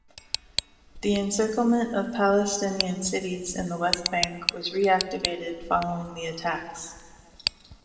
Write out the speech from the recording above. The encirclement of Palestinian cities in the West Bank was reactivated following the attacks.